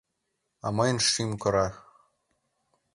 А мыйын шӱм кыра.